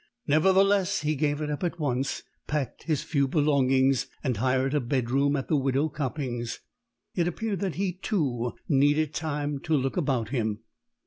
Nevertheless he gave it up at once, packed his few belongings, and hired a bedroom at the Widow Copping's. It appeared that he, too, needed time to look about him.